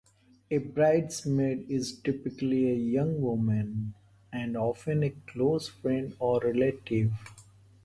A bridesmaid is typically a young woman, and often a close friend or relative.